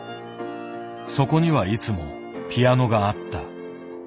そこにはいつもピアノがあった。